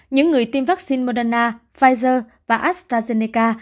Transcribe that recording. những người tiêm vaccine moderna pfizer và astrazeneca